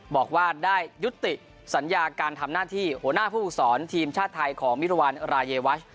บอกว่าได้ยุติสัญญาการทำหน้าที่หัวหน้าผู้ฝึกศรทีมชาติไทยของมิรวรรณรายวัช